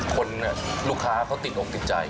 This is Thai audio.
ลูกค้าเขาติดอกติดใจ